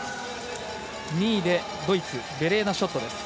２位で、ドイツベレーナ・ショット。